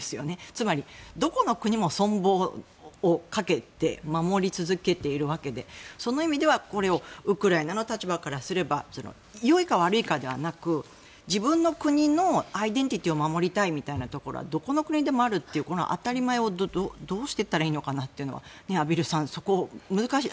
つまり、どこの国も存亡をかけて守り続けているわけでその意味では、これをウクライナの立場からすればよいか悪いかではなく自分の国のアイデンティティーを守りたいみたいなところはどこの国でもあるというこの当たり前をどうしていったらいいのかなというのは畔蒜さん、そこは難しい。